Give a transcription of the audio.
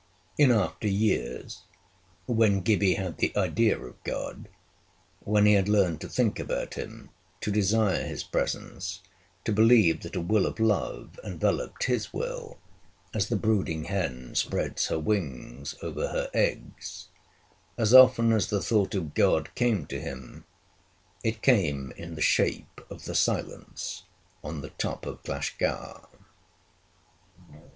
In after years, when Gibbie had the idea of God, when he had learned to think about him, to desire his presence, to believe that a will of love enveloped his will, as the brooding hen spreads her wings over her eggs as often as the thought of God came to him, it came in the shape of the silence on the top of Glashgar.